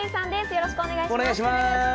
よろしくお願いします。